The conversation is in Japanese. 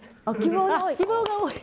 希望が多い。